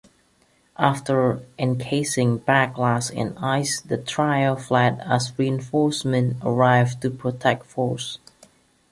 After encasing Blacklash in ice, the trio fled as reinforcements arrived to protect Force.